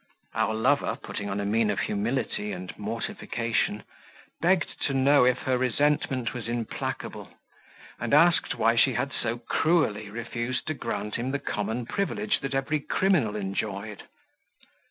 Our lover, putting on a mien of humility and mortification, begged to know if her resentment was implacable; and asked why she had so cruelly refused to grant him the common privilege that every criminal enjoyed.